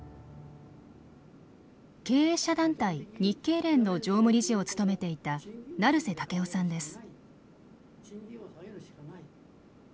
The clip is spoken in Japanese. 経営者団体日経連の常務理事を務めていた成瀬健生さんです。